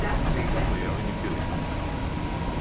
Нисмо јели ни пили.